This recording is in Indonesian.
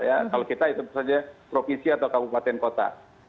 kalau kita itu saja provinsi atau kabupaten kota